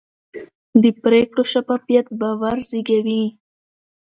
د پرېکړو شفافیت باور زېږوي